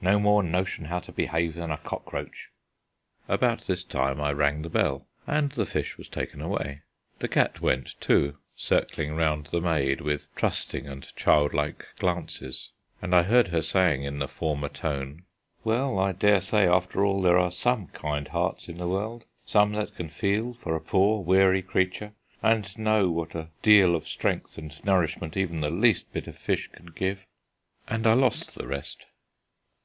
No more notion how to behave than a cockroach." About this time I rang the bell and the fish was taken away. The cat went too, circling round the maid with trusting and childlike glances, and I heard her saying in the former tone: "Well, I daresay after all there are some kind hearts in the world, some that can feel for a poor weary creature, and know what a deal of strength and nourishment even the least bit of fish can give " And I lost the rest.